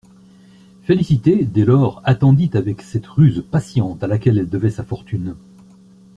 Félicité, dès lors, attendit avec cette ruse patiente à laquelle elle devait sa fortune.